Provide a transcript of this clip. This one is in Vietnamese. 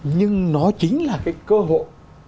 nhưng nó chính là cái cơ hội